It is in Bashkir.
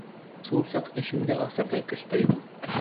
Шул саҡ эшемде асырҙай көс тойҙом.